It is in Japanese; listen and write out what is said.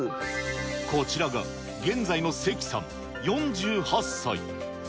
こちらが、現在の関さん４８歳。